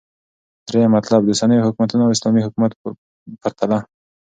دريم مطلب - داوسنيو حكومتونو او اسلامې حكومت پرتله